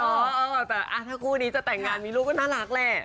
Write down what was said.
เออแต่ถ้าคู่นี้จะแต่งงานมีลูกก็น่ารักแหละ